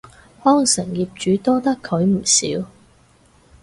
康城業主多得佢唔少